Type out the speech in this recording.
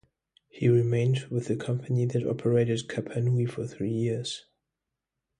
He remained with the company that operated "Kapanui" for three years.